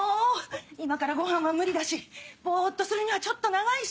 今からごはんは無理だしボっとするにはちょっと長いし。